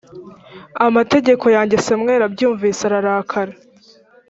amategeko yanjye Samweli abyumvise ararakara